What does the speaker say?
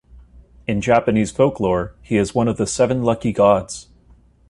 In Japanese folklore, he is one of the Seven Lucky Gods.